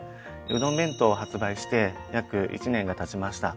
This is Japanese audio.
「うどん弁当」を発売して約１年がたちました。